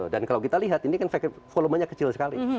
dan kalau kita lihat ini kan volumenya kecil sekali